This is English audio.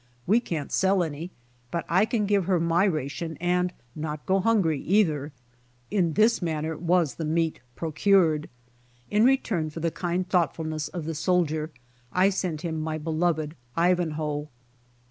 We can't sell any, but I can give her my ration and not go hungry either.'^ 99 100 BY OX TEAM TO CALiIFORNIA In this manner was the meat procured. In return for the kind thoughtfulness of the soldier I sent to him my beloved Ivanhoe.